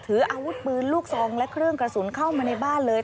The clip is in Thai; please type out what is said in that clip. ถืออาวุธปืนลูกซองและเครื่องกระสุนเข้ามาในบ้านเลย